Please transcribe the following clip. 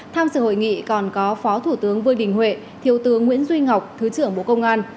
tham sự hội nghị còn có phó thủ tướng vương đình huệ thiếu tướng nguyễn duy ngọc thứ trưởng bộ công an